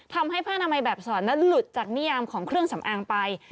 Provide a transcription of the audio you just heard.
ผ้านามัยแบบสอนนั้นหลุดจากนิยามของเครื่องสำอางไป